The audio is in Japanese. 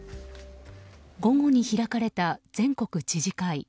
午後に開かれた全国知事会。